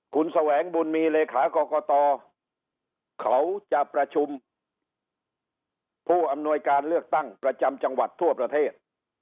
คุณแสวงบุญมีเลขากรกตเขาจะประชุมผู้อำนวยการเลือกตั้งประจำจังหวัดทั่วประเทศ